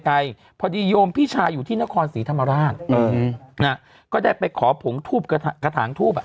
พอดีโยมพี่ชายอยู่ที่นครศรีธรรมราชเออนะก็ได้ไปขอผงทูบกระถางทูบอ่ะ